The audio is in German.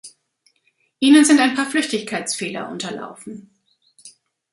Ihnen sind ein Paar Flüchtigkeitsfehler unterlaufen.